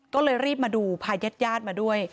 ก็เลยรีบมาดูพาญาติมาด้วย